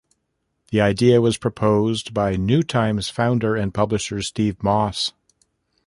The idea was proposed by "New Times" founder and publisher Steve Moss.